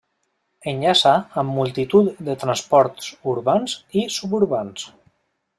Enllaça amb multitud de transports urbans i suburbans.